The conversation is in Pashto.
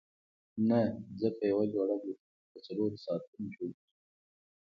نه ځکه یوه جوړه بوټان په څلورو ساعتونو جوړیږي.